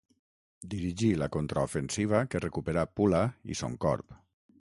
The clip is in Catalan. Dirigí la contraofensiva que recuperà Pula i Son Corb.